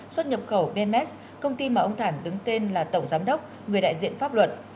xuất nhập khẩu bnms công ty mà ông thản đứng tên là tổng giám đốc người đại diện pháp luật